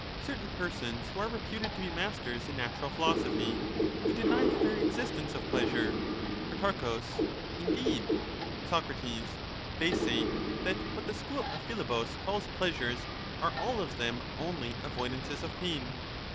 Certain persons who are reputed to be masters in PhiUbus, natural philosophy, who deny the very existence of pleasure. Socratm, Pro. Indeed I Protarchus. Soc. They say that what the school of Philebus calls They are pleasures are all of them only avoidances of pain.